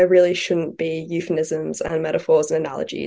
tidak harus ada eufenisme metafor dan analogi